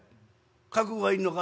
「覚悟がいるのか？